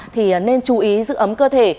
thì nên chú ý giữ ấm cơ thể